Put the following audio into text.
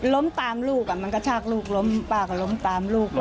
ล้มตามลูกมันกระชากลูกล้มป้าก็ล้มตามลูก